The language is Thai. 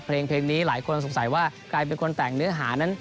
เพลงนี้หลายคนสงสัยว่าใครเป็นคนแต่งเนื้อหานั้น